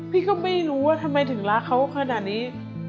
พี่ก็ไม่รู้ว่าทำไมถึงรักเขาขนาดนี้